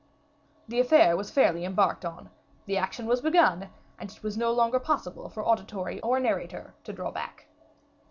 The affair was fairly embarked on; the action was begun, and it was no longer possible for auditory or narrator to draw back.